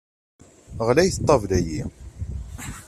Ɣlayet ṭṭabla-yi.